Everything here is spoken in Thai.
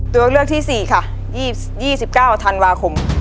ตัวเลือกที่๔ค่ะ๒๙ธันวาคม